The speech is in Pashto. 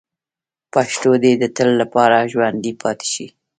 پښتو دې د تل لپاره ژوندۍ پاتې شي.